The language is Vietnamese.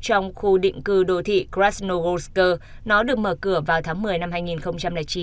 trong khu định cư đô thị grasnoghosk nó được mở cửa vào tháng một mươi năm hai nghìn chín